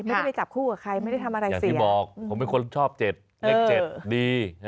ไม่ได้ไปจับคู่กับใครไม่ได้ทำอะไรเสียอย่างที่บอกผมเป็นคนชอบเจ็ดเลขเจ็ดดี